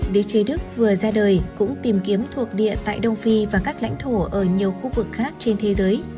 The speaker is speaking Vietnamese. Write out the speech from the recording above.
đế chế đức vừa ra đời cũng tìm kiếm thuộc địa tại đông phi và các lãnh thổ ở nhiều khu vực khác trên thế giới